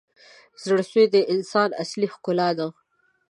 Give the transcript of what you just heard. • زړه سوی د انسان اصلي ښکلا ده.